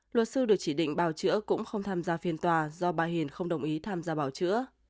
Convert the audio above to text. luật sư được chỉ định bào chữa cũng không tham gia phiên tòa do bà hiền không đồng ý tham gia bào chữa